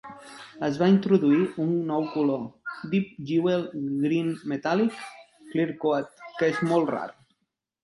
Es va introduir un nou color, Deep Jewel Green Metallic Clearcoat, que és molt rar.